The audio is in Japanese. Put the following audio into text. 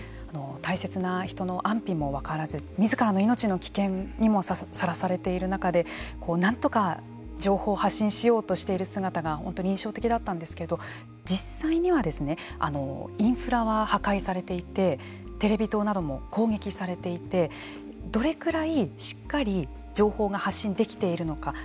大切な人の安否も分からずみずからの命の危険にもさらされている中でなんとか情報を発信しようとしている姿が本当に印象的だったんですけれども実際にはインフラは破壊されていてテレビ塔なども攻撃されていてどれくらいしっかり情報が発信できているのか。